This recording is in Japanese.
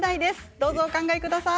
どうぞ考えください。